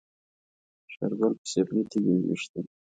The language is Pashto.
شېرګل په سيرلي تيږې وويشتې.